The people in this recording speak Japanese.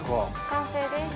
完成です。